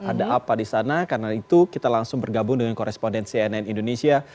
ada apa di sana karena itu kita langsung bergabung dengan koresponden cnn indonesia